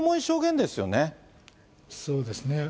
そうですね。